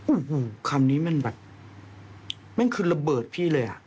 โอ้โหคำนี้มันแบบแม่งคือระเบิดพี่เลยอ่ะ